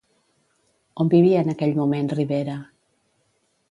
On vivia en aquell moment Ribera?